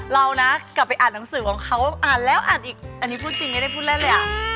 แล้วอ่านอีกอันนี้พูดจริงไม่ได้พูดเล่นเลยอะ